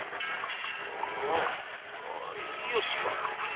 ああうんよしわかった。